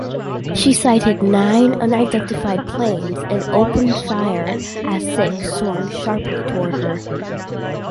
She sighted nine unidentified planes and opened fire as six swung sharply toward her.